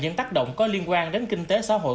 những tác động có liên quan đến kinh tế xã hội